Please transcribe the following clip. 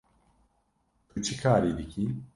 Tu çi karî dikî?